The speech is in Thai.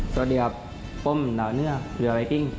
สวัสดีครับผมเหลือเวลาไวกิ้ง